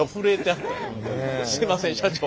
すいません社長。